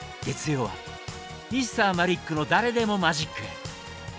月曜は「Ｍｒ．マリックの誰でもマジック！」。